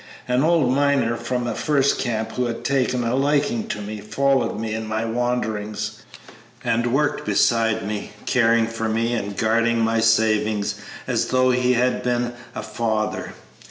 An old miner from the first camp who had taken a liking to me followed me in my wanderings and worked beside me, caring for me and guarding my savings as though he had been a father.